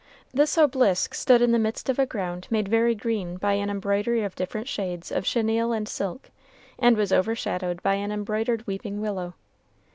This obelisk stood in the midst of a ground made very green by an embroidery of different shades of chenille and silk, and was overshadowed by an embroidered weeping willow.